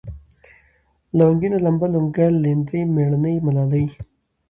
لونگينه ، لمبه ، لونگه ، ليندۍ ، مېړنۍ ، ملالۍ